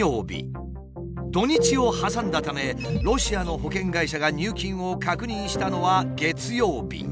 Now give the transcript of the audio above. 土日を挟んだためロシアの保険会社が入金を確認したのは月曜日。